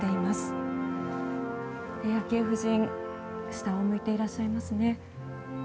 下を向いていらっしゃいますね。